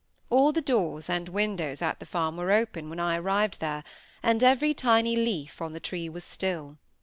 All the doors and windows at the farm were open when I arrived there, and every tiny leaf on the trees was still.